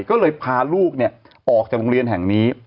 ก็เลยพาลูกออกจากโรงเรียนแห่งนี้